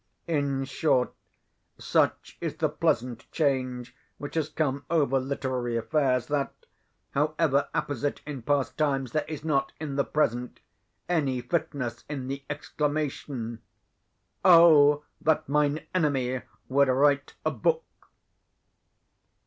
In short, such is the pleasant change which has come over literary affairs, that, however apposite in past times, there is not, in the present, any fitness in the exclamation, "Oh, that mine enemy would write a book!"